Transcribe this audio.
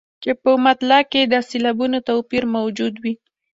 چې په مطلع کې یې د سېلابونو توپیر موجود وي.